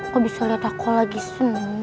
kok bisa lihat aku lagi seneng